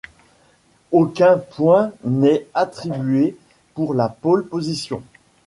Aucun point n’est attribué pour la pole position.